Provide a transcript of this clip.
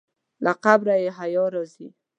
له قبره یې حیا راځي.